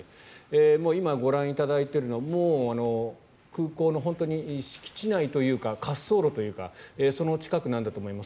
今ご覧いただいているのは空港の本当に敷地内というか滑走路というかその近くなんだと思います。